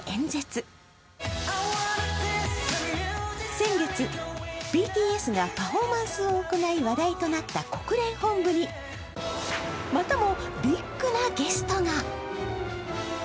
先月、ＢＴＳがパフォーマンスを行い話題となった国連本部にまたもビッグなゲストが。